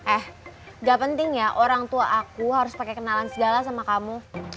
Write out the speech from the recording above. eh gak penting ya orang tua aku harus pakai kenalan segala sama kamu